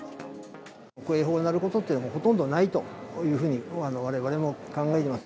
警報が鳴ることというのはほとんどないというふうに、われわれも考えています。